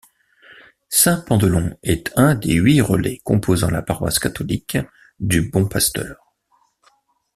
Saint-Pandelon est un des huit relais composant la paroisse catholique du Bon Pasteur.